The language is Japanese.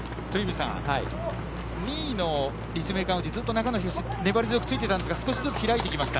２位の立命館宇治にずっと長野東粘り強くついていたんですが少しずつ離れてきました。